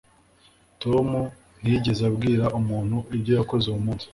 Tom ntiyigeze abwira umuntu ibyo yakoze uwo munsi.